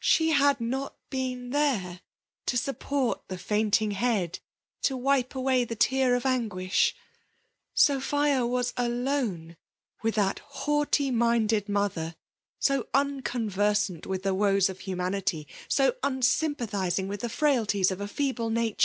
She had not been there to support the fainting head, to wipe away the tear of anguish. Sophia was alon^ with that haughty minded mother, so uncon Torsant with the woes of humanity ; so unsym pathizing with the frailties of a feeble natmv.